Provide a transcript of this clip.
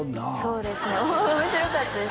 そうですね面白かったですね